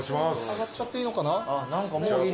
上がっちゃっていいのかな？